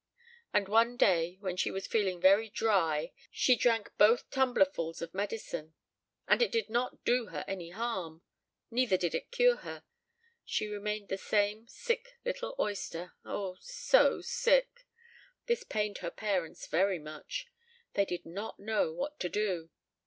And one day, when she was feeling very dry, she drank both tumblerfuls of medicine, and it did not do her any harm; neither did it cure her: she remained the same sick little oyster, oh, so sick! This pained her parents very much. They did not know what to do.